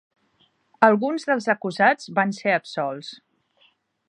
Alguns dels acusats van ser absolts.